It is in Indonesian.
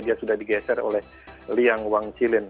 dia sudah digeser oleh liang wang chilin